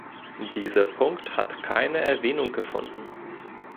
Dieser Punkt hat keine Erwähnung gefunden.